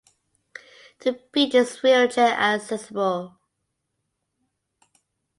The beach is wheelchair accessible.